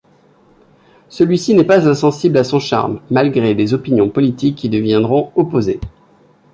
Celui-ci n'est pas insensible à son charme, malgré des opinons politiques qui deviendront opposées.